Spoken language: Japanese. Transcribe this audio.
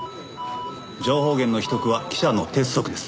情報源の秘匿は記者の鉄則です。